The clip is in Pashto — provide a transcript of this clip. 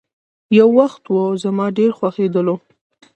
يو وخت وو، زما ډېر خوښيدلو.